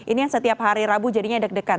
ini yang setiap hari rabu jadinya deg degan